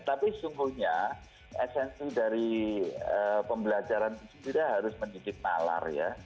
tapi sungguhnya esensi dari pembelajaran itu sendiri harus menyidik nalar ya